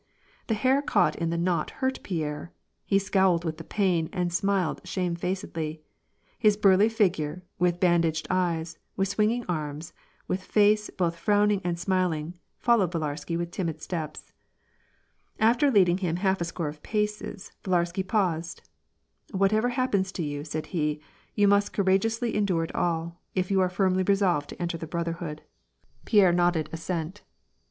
The hair caught in the knot hurt Pierre, he scowled with the pain and smiled shamefacedly. His burly figure, with ban daged eyes, with swinging arms, with face both frowning and smiling, followed Villarsky with timid steps. After leading him half a score of paces, Villarsky paused. " Whatever happens to you," said he, " you must courage ously endure it all, if you are firmly resolved to enter ^ Brotherhood." WAR AND PEACE. 77 Pierre nodded assent.